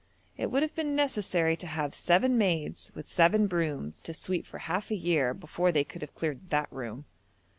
It would have been necessary to have 'seven maids with seven brooms to sweep for half a year' before they could have cleared that room.